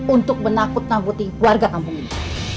untuk menakut nakuti warga kampung ini